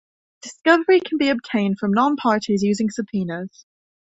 Discovery can be obtained from non-parties using subpoenas.